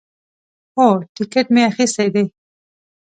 هو، ټیکټ می اخیستی دی